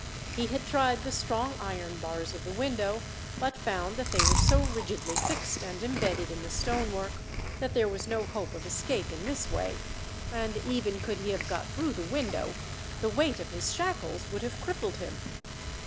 He had tried the strong iron bars of the window, but found that they were so rigidly fixed and embedded in the stonework, that there was no hope of escape in this way; and even could he have got through the window, the weight of his shackles would have crippled him.